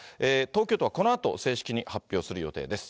東京都はこのあと、正式に発表する予定です。